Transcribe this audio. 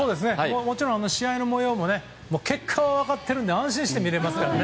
もちろん、試合の模様も結果は分かっているので安心して見れますからね。